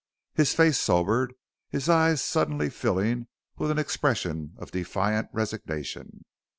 His face sobered, his eyes suddenly filling with an expression of defiant resignation.